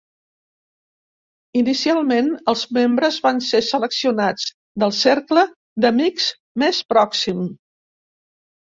Inicialment, els membres van ser seleccionats del cercle d'amics més pròxim.